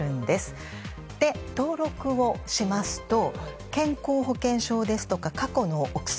そして、登録をしますと健康保険証ですとか、過去のお薬